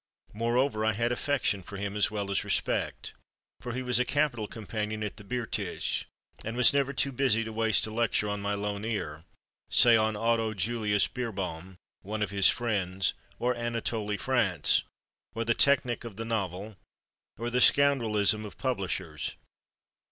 Moreover, I had affection for him as well as respect, for he was a capital companion at the Biertisch and was never too busy to waste a lecture on my lone ear—say on Otto Julius Bierbaum (one of his friends), or Anatole France, or the technic of the novel, or the scoundrelism of publishers.